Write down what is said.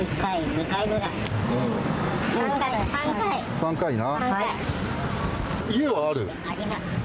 ３回な。